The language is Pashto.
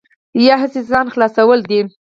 یا هسې ځان خلاصول دي.